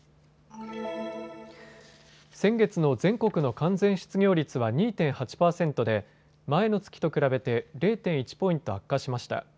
先月の全国の完全失業率は２．８％で前の月と比べて０．１ポイント悪化しました。